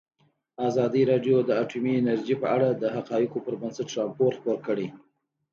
ازادي راډیو د اټومي انرژي په اړه د حقایقو پر بنسټ راپور خپور کړی.